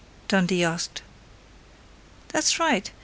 Dundee asked. "That's right!